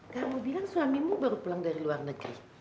kamu bilang suamimu baru pulang dari luar negeri